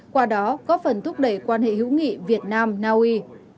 qua đó có phần thúc đẩy quan hệ hữu nghị việt nam naui